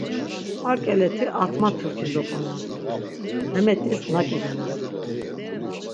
Ar keleti atma turki zoponan. Memet̆iz naǩidenan.